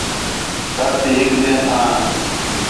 تڑ تی ہِک ٻئیں ساں